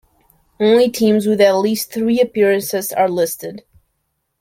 Only teams with at least three appearances are listed.